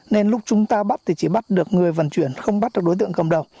nên lúc chúng ta bắt thì chỉ bắt được người vận chuyển không bắt được đối tượng cầm đầu